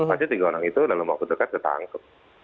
pasti tiga orang itu dalam waktu dekat ketangkep